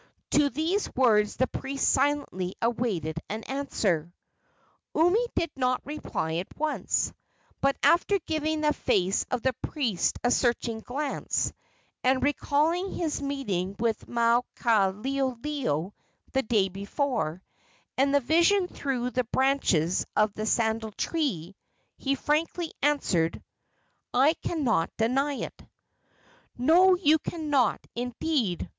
To these words the priest silently awaited an answer. Umi did not reply at once; but after giving the face of the priest a searching glance, and recalling his meeting with Maukaleoleo the day before, and the vision through the branches of the sandal tree, he frankly answered: "I cannot deny it." "No; you cannot, indeed!"